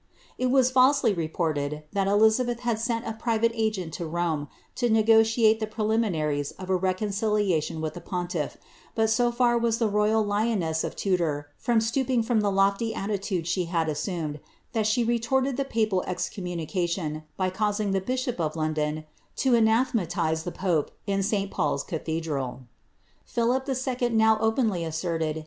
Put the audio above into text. It was falsely reported, that Elizabeth had sent a private agent to Rome, to negotiate the preliminaries of a re conciliation with the pontiff; but so far was the royal lioness of Tudor, fiom fliooping from the loAy attitude she had assumed, that she retorted Ihe papal excommunication, by causing the bishop of London, to ana thematize the pope in St. Paul's cathedral. ^Boxleigh MS. id Strype. 'Camden, 566 DV openly &aserled hi.